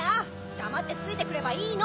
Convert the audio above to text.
だまってついてくればいいの！